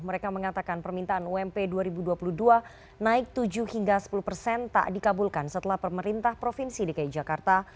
mereka mengatakan permintaan ump dua ribu dua puluh dua naik tujuh hingga sepuluh persen tak dikabulkan setelah pemerintah provinsi dki jakarta